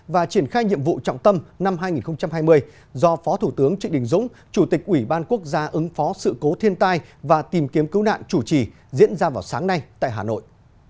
và triển khai nhiệm vụ trọng tâm năm hai nghìn hai mươi do phó thủ tướng trịnh đình dũng chủ tịch ủy ban quốc gia ứng phó sự cố thiên tai và tìm kiếm cứu nạn chủ trì diễn ra vào sáng nay tại hà nội